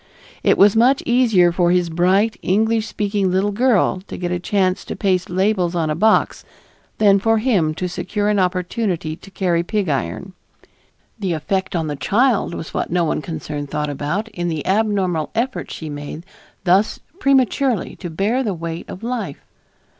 It was much easier for his bright, English speaking little girl to get a chance to paste labels on a box than for him to secure an opportunity to carry pig iron. The effect on the child was what no one concerned thought about, in the abnormal effort she made thus prematurely to bear the weight of life.